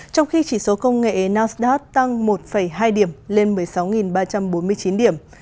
trong khi chỉ số công nghệ nasdaq tăng một hai điểm lên một mươi sáu ba trăm bốn mươi chín điểm